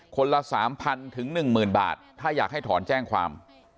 คนละ๓๐๐ถึง๑๐๐บาทถ้าอยากให้ถอนแจ้งความ